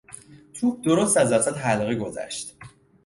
توپ درست از وسط حلقه گذشت.